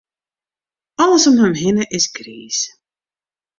Alles om him hinne is griis.